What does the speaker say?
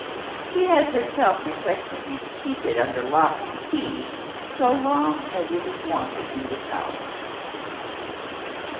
She has herself requested me to keep it under lock and key, so long as it is wanted in this house."